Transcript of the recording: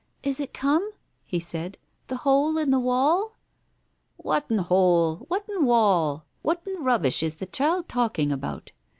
" Is it come ?" he said— "the hole in the wall ?" "Whatten hole? Whatten wall? Whatten rubbish is the child talking about